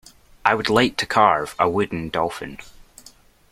I would like to carve a wooden dolphin.